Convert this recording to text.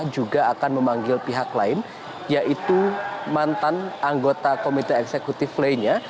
juga akan memanggil pihak lain yaitu mantan anggota komite eksekutif lainnya